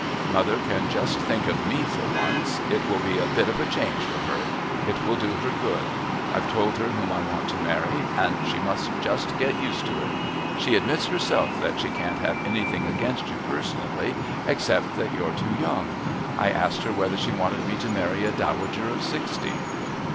"Mother can just think of me for once. It will be a bit of a change for her. It will do her good. I've told her whom I want to marry, and she must just get used to it. She admits herself that she can't have anything against you personally, except that you're too young. I asked her whether she wanted me to marry a Dowager of sixty."